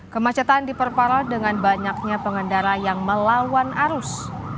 kemacetan diperparah dengan banyaknya pengendara yang melawan arus